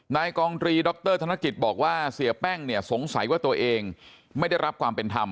นายกองตรีดรธนกิจบอกว่าเสียแป้งเนี่ยสงสัยว่าตัวเองไม่ได้รับความเป็นธรรม